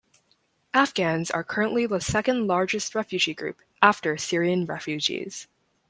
Afghans are currently the second largest refugee group after Syrian refugees.